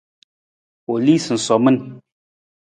U lii sunsomin.